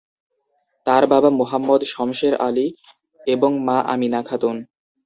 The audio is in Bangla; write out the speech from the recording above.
তার বাবা মুহম্মদ শমসের আলী এবং মা আমিনা খাতুন।